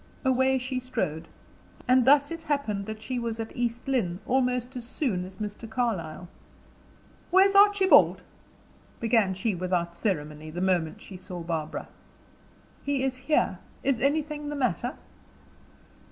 Away she strode. And thus it happened that she was at East Lynne almost as soon as Mr. Carlyle. "Where's Archibald?" began she, without ceremony, the moment she saw Barbara. "He is here. Is anything the matter?"